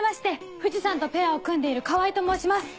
藤さんとペアを組んでいる川合と申します！